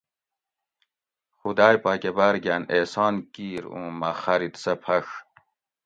خُداۤئ پاۤکۤہ باۤر گھاۤن اِحسان کِیر اُوں مۤہ خاۤرِت سۤہ پھۤڛ